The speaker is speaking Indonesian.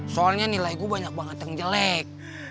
soalnya nilai gue banyak banget yang jelek